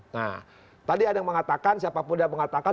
nah tadi ada yang mengatakan siapapun yang mengatakan